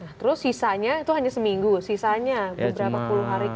nah terus sisanya itu hanya seminggu sisanya beberapa puluh hari